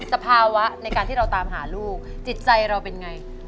สภาวะในการที่เราตามหาลูกจิตใจเราเป็นไง